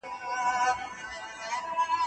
که همصنفي مرسته کوي نو زده کوونکی نه ستړی کېږي.